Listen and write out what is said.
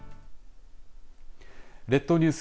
列島ニュース